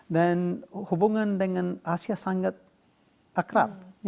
dan hubungan dengan asia sangat akrab